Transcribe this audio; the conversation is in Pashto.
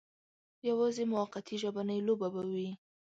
یوازې موقتي ژبنۍ لوبه به وي.